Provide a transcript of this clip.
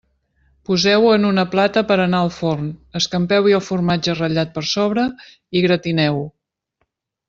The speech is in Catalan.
Poseu-ho en una plata per a anar al forn, escampeu-hi el formatge ratllat per sobre i gratineu-ho.